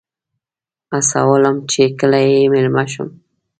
هڅولم چې کله یې میلمه شم.